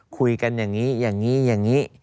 คุยกันอย่างนี้อย่างนี้อย่างนี้